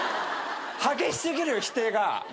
激しすぎるよ否定が。